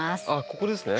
ここですね。